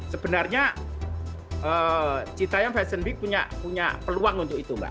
sebenarnya citayam fashion week punya peluang untuk itu mbak